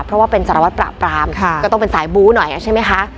เพราะว่าเป็นสารวัตรปราบปรามก็ต้องเป็นสายบู๊หน่อยใช่ไหมคะ